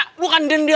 tendya bukan denda